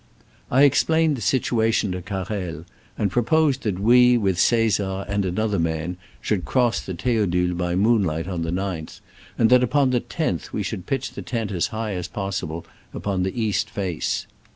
I explained the situation to Carrel, and proposed that we, with Caesar and an other man, should cross the Th6odule by moonlight on the 9th, and that upon the loth we shoruld pitch the tent as high as possible upon the east face.